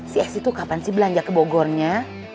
si es itu kapan sih belanja ke bogornya